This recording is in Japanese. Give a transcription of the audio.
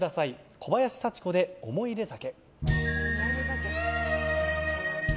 小林幸子で「おもいで酒」。